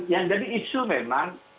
yang jadi isu memang